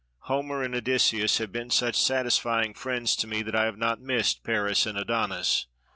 Homer and Odysseus have been such satisfying friends to me that I have not missed Paris and Adonis.